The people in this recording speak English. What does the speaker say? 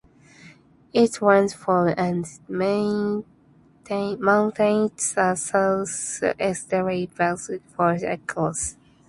It runs for and maintains a south-easterly direction for most of its course.